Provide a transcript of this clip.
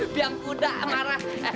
biam kuda marah